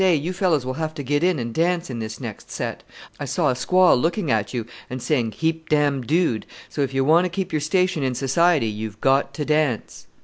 you fellows will have to get in and dance in this next set. I saw a squaw looking at you and saying 'heap dam dood,' so if you want to keep your station in society you've got to dance."